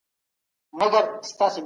مقعدي اړیکه لوړ خطر لري.